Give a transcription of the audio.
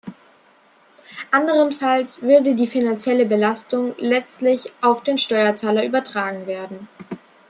Anderenfalls würde die finanzielle Belastung letztlich auf den Steuerzahler übertragen werden.